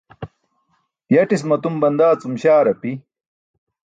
Yatis matum bandaa cum śaar api.